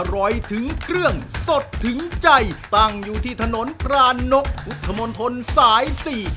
ถึงเครื่องสดถึงใจตั้งอยู่ที่ถนนพรานกพุทธมนตรสายสี่